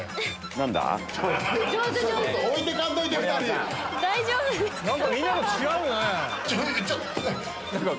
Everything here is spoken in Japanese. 何かみんなと違うよね。